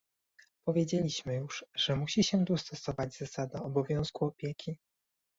Powiedzieliśmy już, że musi się tu stosować zasada obowiązku opieki